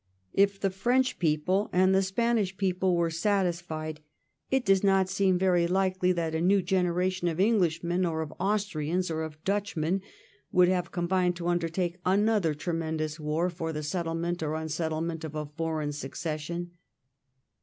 If the French people and the Spanish people were satisfied, it does not seem very likely that a new generation of Englishmen or of Austrians or of Dutchmen, would have combined to undertake another tremendous war for the settlement or unsettlement of a foreign succession.